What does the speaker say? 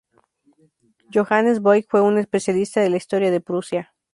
Johannes Voigt fue un especialista de la historia de Prusia.